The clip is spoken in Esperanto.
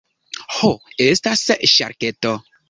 Ho estas ŝarketo.